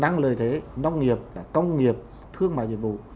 nông nghiệp công nghiệp thương mại nhiệm vụ